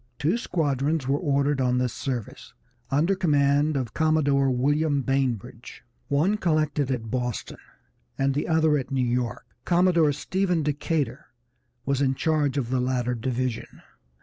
Two squadrons were ordered on this service, under command of Commodore William Bainbridge. One collected at Boston, and the other at New York. Commodore Stephen Decatur was in charge of the latter division.